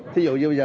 thí dụ như bây giờ